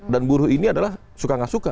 dan buruh ini adalah suka gak suka